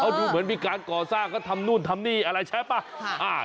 ดูเหมือนมีการก่อสร้างก็ทำนู่นทำนี่อะไรใช่ป่ะ